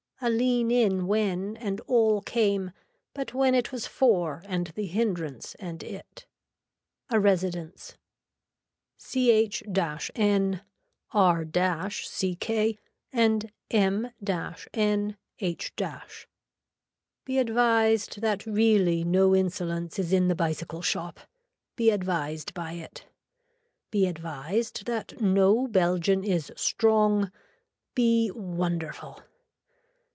A lean in when and all came but when it was for and the hindrance and it. A residence. CH N R CK AND M N H . Be advised that really no insolence is in the bicycle shop. Be advised by it. Be advised that no belgian is strong, be wonderful.